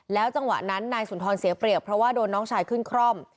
จังหวะนั้นนายสุนทรเสียเปรียบเพราะว่าโดนน้องชายขึ้นคร่อม